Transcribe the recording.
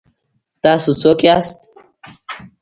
تاسو څوک یاست؟